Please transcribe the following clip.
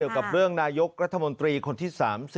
กับเรื่องนายกรัฐมนตรีคนที่๓๐